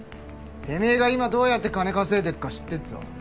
てめぇが今どうやって金稼いでっか知ってっぞ。